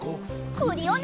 クリオネ！